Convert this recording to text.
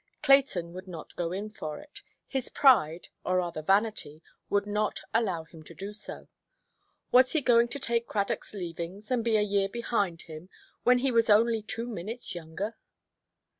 Clayton would not go in for it; his pride, or rather vanity, would not allow him to do so. Was he going to take Cradockʼs leavings, and be a year behind him, when he was only two minutes younger?